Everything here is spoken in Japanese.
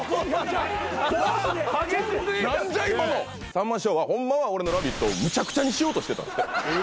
さんま師匠はホンマは俺の『ラヴィット！』をむちゃくちゃにしようとしてた。